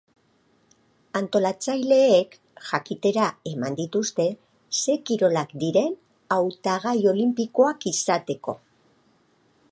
Antolatzaileek jakitera eman dituzte ze kirolak diren hautagai olinpikoak izateko.